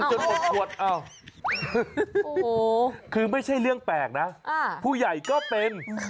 ง่วงก็ง่วงหิวก็หิวนมก็อยากกิน